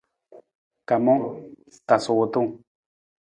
Kamang, tasa wutung.